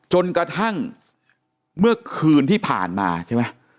จนกระทั่งเมื่อคืนที่ผ่านมาใช่ไหม